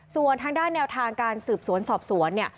ส่วนทางด้านแนวทางการสืบสวนสอบสวนเนี่ย